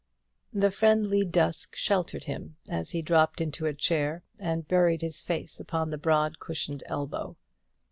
The friendly dusk sheltered him as he dropped into a chair and buried his face upon the broad cushioned elbow.